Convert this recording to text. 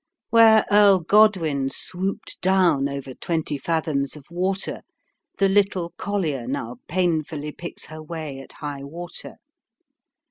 Where Earl Godwin swooped down over twenty fathoms of water the little collier now painfully picks her way at high water.